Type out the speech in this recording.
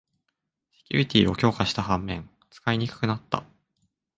セキュリティーを強化した反面、使いにくくなった